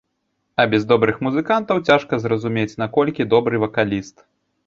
А без добрых музыкантаў цяжка зразумець, наколькі добры вакаліст.